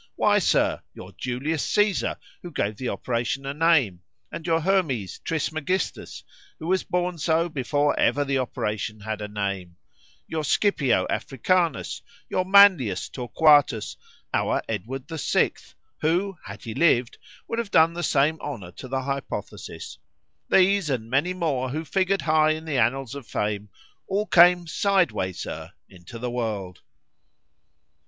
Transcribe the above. Why, Sir, your Julius Caesar, who gave the operation a name;—and your Hermes Trismegistus, who was born so before ever the operation had a name;——your Scipio Africanus; your Manlius Torquatus; our Edward the Sixth,—who, had he lived, would have done the same honour to the hypothesis:——These, and many more who figured high in the annals of fame,—all came side way, Sir, into the world.